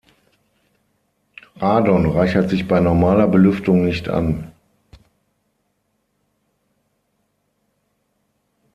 Radon reichert sich bei normaler Belüftung nicht an.